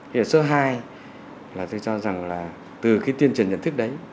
hiện số hai là tôi cho rằng là từ cái tuyên truyền nhận thức đấy